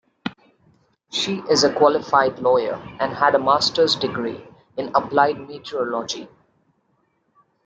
She is a qualified lawyer and had a master's degree in Applied Meteorology.